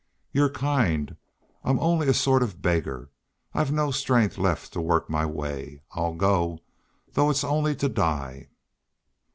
"You're kind I'm only a sort of beggar I've no strength left to work my way. I'll go though it's only to die."